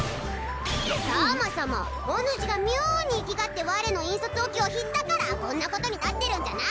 そもそもおぬしが妙に粋がって我の引率を拒否ったからこんなことになってるんじゃな